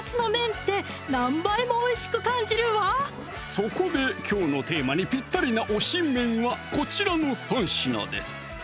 そこできょうのテーマにぴったりな推し麺はこちらの３品です